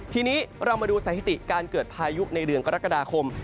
ทีนี้เรามาดูสถิติการเกิดพายุในเดือนกรกฎาคม